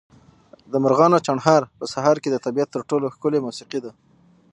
د مرغانو چڼهار په سهار کې د طبیعت تر ټولو ښکلې موسیقي ده.